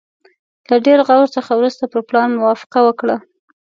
له ډېر غور څخه وروسته پر پلان موافقه وکړه.